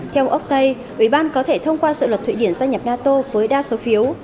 theo oktay ủy ban có thể thông qua sự luật thụy điển gia nhập nato với đa số phiếu